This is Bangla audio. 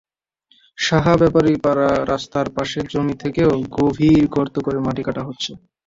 সাহা ব্যাপারীপাড়া রাস্তার পাশের জমি থেকেও গভীর গর্ত করে মাটি কাটা হচ্ছে।